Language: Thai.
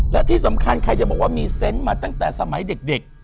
และที่สำคัญใครจะบอกว่ามีเซนต์มาตั้งแต่สมัยเด็ก